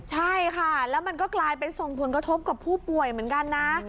ใช่ค่ะแล้วมันก็กลายเป็นส่งผลกระทบกับผู้ป่วยเหมือนกันนะ